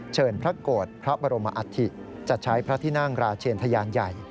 พระโกรธพระบรมอัฐิจัดใช้พระที่นั่งราชเชนทะยานใหญ่